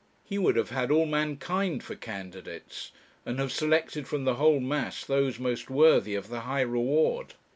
He would have had all mankind for candidates, and have selected from the whole mass those most worthy of the high reward.